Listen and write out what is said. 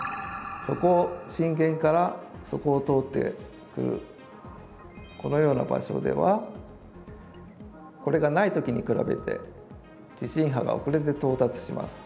そこを震源からそこを通ってくるこのような場所ではこれがないときに比べて地震波が遅れて到達します。